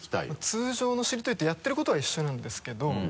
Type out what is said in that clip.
通常のしりとりとやってることは一緒なんですけど。